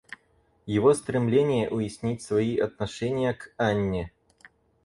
Его стремление уяснить свои отношения к Анне.